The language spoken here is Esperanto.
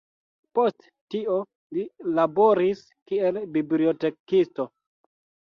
Post tio li laboris kiel bibliotekisto.